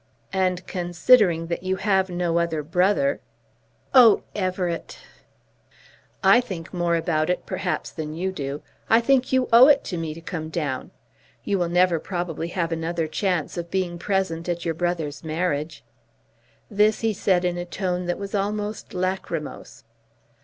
"And considering that you have no other brother " "Oh, Everett!" "I think more about it, perhaps, than you do. I think you owe it me to come down. You will never probably have another chance of being present at your brother's marriage." This he said in a tone that was almost lachrymose.